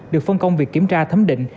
được phân công việc kiểm tra thấm định